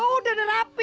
udah udah rapi